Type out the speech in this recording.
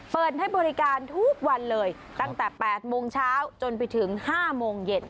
เปิดให้บริการทุกวันเลยตั้งแต่๘โมงเช้าจนไปถึง๕โมงเย็น